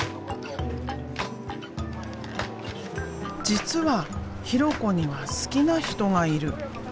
実は弘子には好きな人がいる。